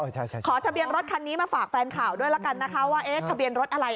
ใช่ขอทะเบียนรถคันนี้มาฝากแฟนข่าวด้วยนะว่าทะเบียนรถอะไร